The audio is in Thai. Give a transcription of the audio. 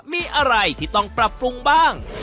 มีอะไรที่ต้องปรับปรุงบ้าง